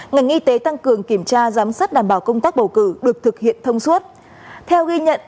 ngành y tế tăng cường kiểm tra giám sát đảm bảo công tác bầu cử được thực hiện thông suốt